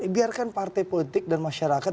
biarkan partai politik dan masyarakat